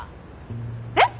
えっ？